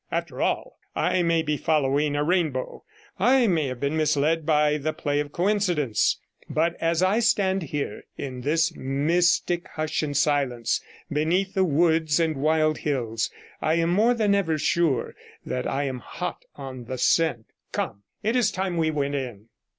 After all, I may be following a rainbow; I may have been misled by the play of coincidence; but as I stand here in this mystic hush and silence, amidst the woods and wild hills, I am more than ever sure that I am hot on the scent. Come, it is time we went in.'